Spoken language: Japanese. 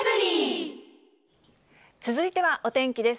続いてはお天気です。